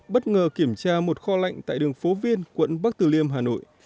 bất ngờ kiểm tra một kho lạnh tại đường phố viên quận bắc từ liêm hà nội